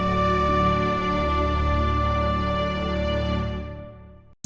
jangan disena senya ya